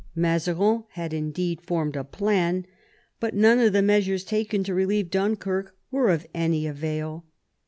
Mazarin had indeed formed a plan, but none of the measures taken to relieve Dunkirk were of any avail.